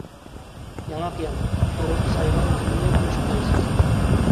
ياڭاق يەڭ، قۇرۇق سايۋا ئۈزۈمنى قوشۇپ يەيسىز.